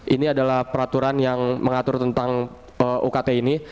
ini adalah peraturan yang mengatur tentang ukt ini